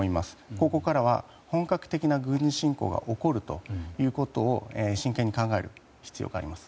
ここからは本格的な軍事侵攻が起こるということを真剣に考える必要があります。